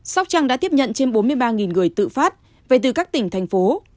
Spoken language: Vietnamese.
sóc trăng đã tiếp nhận trên bốn mươi ba người tự phát về từ các tỉnh thành phố